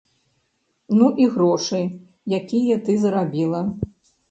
Ну і грошы, якія ты зарабіла.